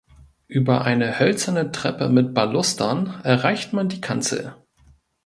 Über eine hölzerne Treppe mit Balustern erreicht man die Kanzel.